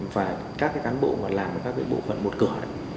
và các cán bộ mà làm ở các bộ phận một cửa